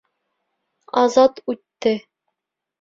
Азат үтте.